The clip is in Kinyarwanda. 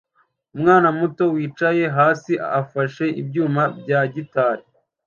Umukobwa muto wicaye hasi afashe ibyuma bya gitari